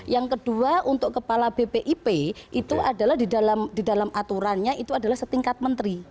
yang kedua untuk kepala bpip itu adalah di dalam aturannya itu adalah setingkat menteri